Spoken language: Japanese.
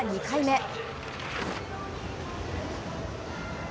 ２回目。